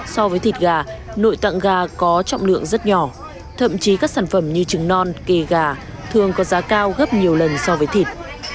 so với thịt gà nội tạng gà có trọng lượng rất nhỏ thậm chí các sản phẩm như trứng non kề gà thường có giá cao gấp nhiều lần so với thịt